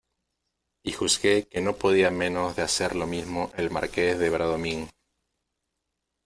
y juzgué que no podía menos de hacer lo mismo el Marqués de Bradomín.